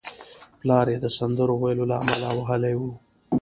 پلار یې د سندرو ویلو له امله وهلی و